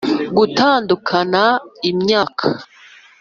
gutandukana imyaka,